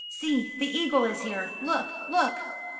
"See, the eagle is here; look, look!